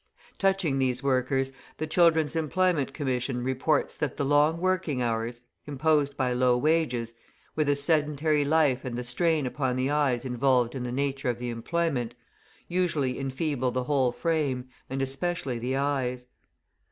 Touching these workers, the Children's Employment Commission reports that the long working hours, imposed by low wages, with a sedentary life and the strain upon the eyes involved in the nature of the employment, usually enfeeble the whole frame, and especially the eyes.